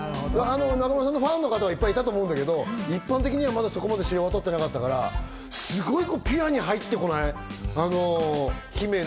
中村さんのファンはいっぱいいると思うけど一般的にはまだそこまで知られていないから、すごくピュアに入ってこない。